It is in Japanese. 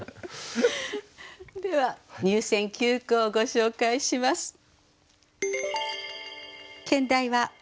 では入選九句をご紹介します。